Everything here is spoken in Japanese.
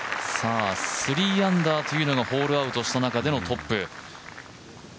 ３アンダーというのがホールアウトした中でのトップ。